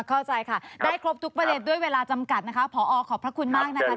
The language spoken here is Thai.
เข้าใจค่ะได้ครบทุกประเด็นด้วยเวลาจำกัดนะคะผอขอบพระคุณมากนะคะ